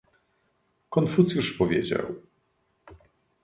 Konfucjusz powiedział